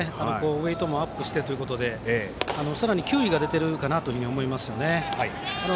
ウエイトもアップしてということでさらに球威が出ているかなと思いますね。